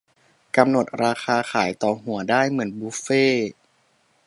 - กำหนดราคาขายต่อหัวได้ เหมือนบุฟเฟต์